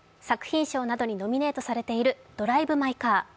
作品賞などにノミネートされている「ドライブ・マイ・カー」。